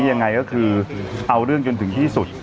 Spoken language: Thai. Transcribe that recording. ยังไงก็คือเอาเรื่องจนถึงที่สุด